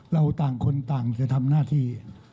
เราต่างคนต่างจะทำหน้าที่